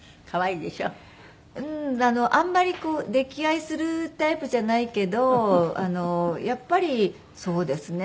あんまりこう溺愛するタイプじゃないけどやっぱりそうですね。